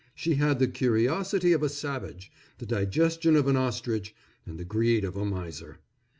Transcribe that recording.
She had the curiosity of a savage, the digestion of an ostrich, and the greed of a miser.